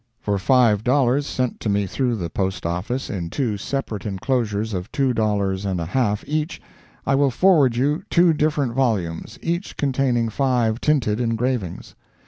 For five dollars sent to me through the Post Office, in two separate enclosures of two dollars and a half each, I will forward you two different volumes, each containing five tinted engravings.